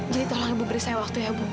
jadi tolong ibu beri saya waktu ya bu